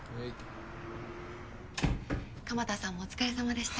蒲田さんもお疲れ様でした。